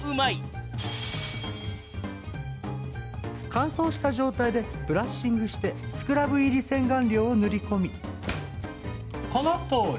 乾燥した状態でブラッシングしてスクラブ入り洗顔料を塗り込みこのとおり。